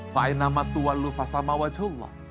kemanapun kau menghadap di situ wajah allah